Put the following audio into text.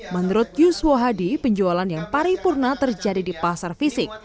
menurut yuswo hadi penjualan yang paripurna terjadi di pasar fisik